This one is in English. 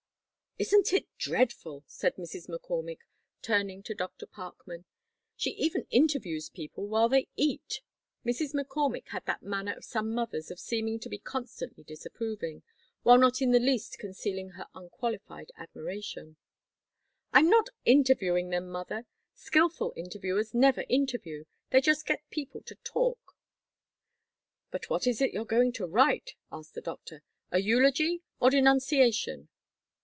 "Isn't it dreadful?" said Mrs. McCormick, turning to Dr. Parkman, "she even interviews people while they eat!" Mrs. McCormick had that manner of some mothers of seeming to be constantly disapproving, while not in the least concealing her unqualified admiration. "I'm not interviewing them, Mother. Skillful interviewers never interview. They just get people to talk." "But what is it you're going to write," asked the doctor, "a eulogy or denunciation?"